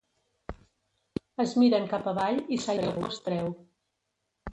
Es miren cap avall i Sayoko es treu.